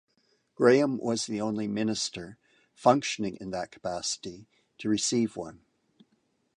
Graham was the only minister, functioning in that capacity, to receive one.